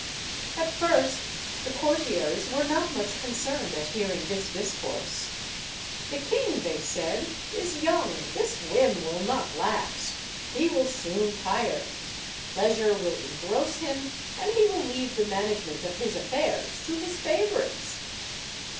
At first the courtiers were not much concerned at hearing this discourse. "The king," they said, "is young; this whim will not last. He will soon tire. Pleasure will engross him, and he will leave the manage ment of his affairs to his favorites."